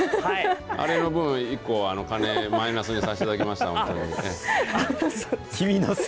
あれの分、１個鐘マイナスにさせていただきました、本当に。